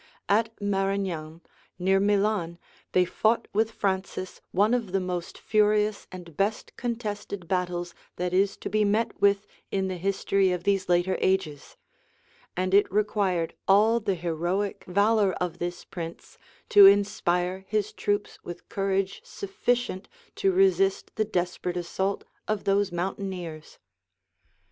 At Marignan, near Milan, they fought with Francis one of the most furious and best contested battles that is to be met with in the history of these later ages; and it required all the heroic valor of this prince to inspire his troops with courage sufficient to resist the desperate assault of those mountaineers.